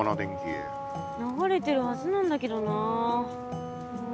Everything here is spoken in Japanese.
流れてるはずなんだけどな。